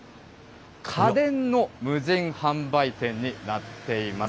家電の無人販売店になっています。